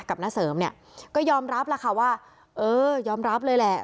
ณเสริมเนี่ยก็ยอมรับแล้วค่ะว่าเออยอมรับเลยแหละ